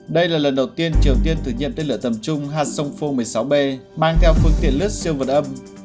đây là lần đầu tiên triều tiên thử nhiệm tên lửa tầm trung h một mươi sáu b mang theo phương tiện lứt siêu vật âm